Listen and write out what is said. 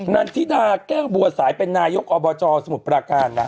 นันทิดาแก้วบัวสายเป็นนายกอบจสมุทรปราการนะ